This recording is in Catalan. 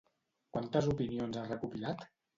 Quantes opinions ha recopilat?